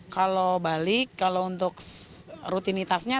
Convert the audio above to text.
kalau balik kalau untuk rutinitasnya